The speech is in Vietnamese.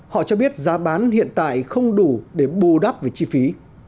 họ cho biết giá bán hiện tại không đủ để bù đắp về chi phí